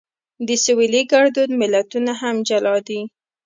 د سویلي ګړدود متلونه هم جلا دي